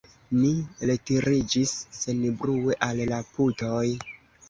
Ni retiriĝis senbrue al la putoj.